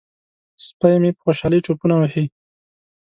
سپی مې په خوشحالۍ ټوپونه وهي.